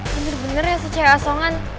bener bener ya si caya songan